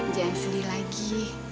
jangan sedih lagi